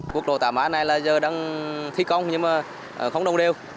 quốc lộ tám a này là giờ đang thi công nhưng mà không đồng đều